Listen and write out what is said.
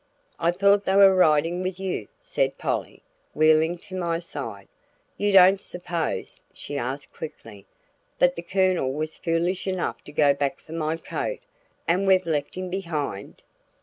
"I thought they were riding with you," said Polly, wheeling to my side. "You don't suppose," she asked quickly, "that the Colonel was foolish enough to go back for my coat, and we've left him behind?"